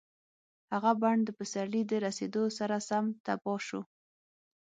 هغه بڼ د پسرلي د رسېدو سره سم تباه شو.